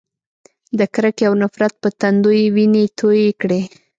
د کرکې او نفرت په تندو یې وینې تویې کړې.